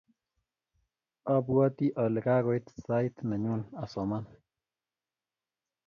abwatii ale kakoit sait nenyune asoman.